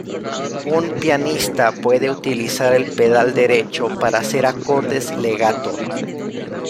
Un pianista puede utilizar el pedal derecho para hacer acordes "legato".